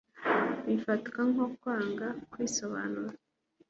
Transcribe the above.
Bifatwa nko kwanga kwisobanura